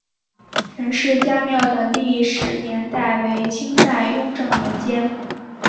陈氏家庙的历史年代为清代雍正年间。